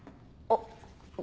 あっ！